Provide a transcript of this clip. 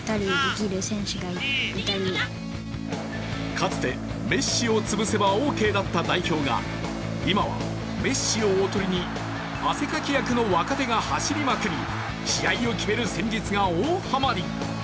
かつてメッシをつぶせばオーケーだった代表が、今はメッシをおとりに汗かき役の若手が走りまくり試合を決める戦術が大はまり。